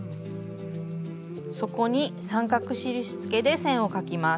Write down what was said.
そこに三角印付けで線を描きます。